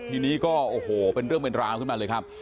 ทีนี้ก็โอ้โหเป็นเรื่องเป็นราวขึ้นมาเลยครับ